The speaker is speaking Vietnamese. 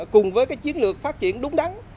cùng với chiến lược phát triển đúng đắn